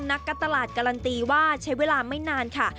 นักการตลาดการันตีว่าใช้เวลาไม่นานค่ะ